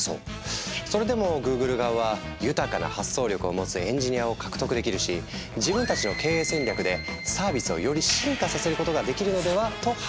それでもＧｏｏｇｌｅ側は豊かな発想力を持つエンジニアを獲得できるし自分たちの経営戦略でサービスをより進化させることができるのでは？と判断。